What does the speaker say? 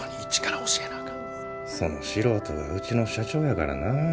その素人がうちの社長やからな。